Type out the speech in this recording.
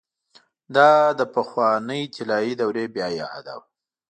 دا د پخوانۍ طلايي دورې بيا اعاده ده.